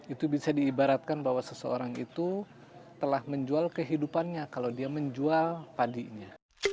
itu bisa diibaratkan bahwa seseorang itu telah menjual kehidupannya kalau dia menjual padinya